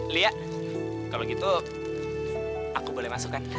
lia kalau gitu aku boleh masukkan